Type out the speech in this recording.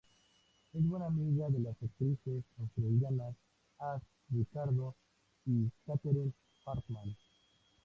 Es buena amiga de las actrices australianas Ash Ricardo y Kathryn Hartman.